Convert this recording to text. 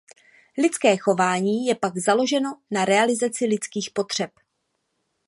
Lidské chování je pak založeno na realizaci lidských potřeb.